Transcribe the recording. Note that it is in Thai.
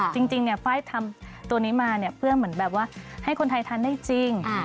จริงจริงเนี้ยฟ้าให้ทำตัวนี้มาเนี้ยเพื่อเหมือนแบบว่าให้คนไทยทานได้จริงอ่า